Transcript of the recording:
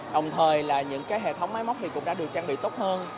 đồng thời là những cái hệ thống máy móc thì cũng đã được trang bị tốt hơn